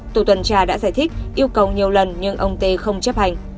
tổ tuần tra đã giải thích yêu cầu nhiều lần nhưng ông tê không chấp hành